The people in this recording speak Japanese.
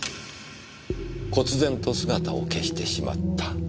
忽然と姿を消してしまった。